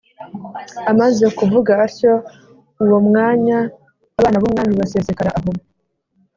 Amaze kuvuga atyo, uwo mwanya abana b’umwami basesekara aho.